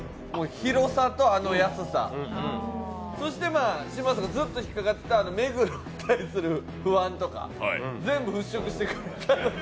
広さとあの安さ、そして嶋佐がずっと引っかかっていた目黒に対する不安とか全部ふっしょくしてくれたんで。